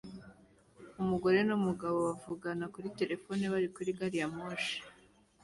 Umugore numugabo bavugana kuri terefone bari kuri gariyamoshi